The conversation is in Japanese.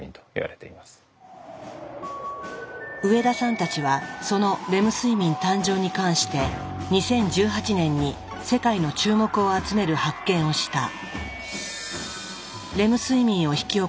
上田さんたちはそのレム睡眠誕生に関して２０１８年に世界の注目を集める発見をした。